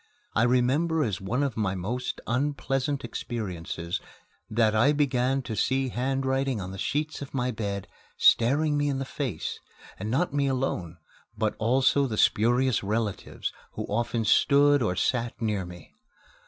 I remember as one of my most unpleasant experiences that I began to see handwriting on the sheets of my bed staring me in the face, and not me alone, but also the spurious relatives who often stood or sat near me.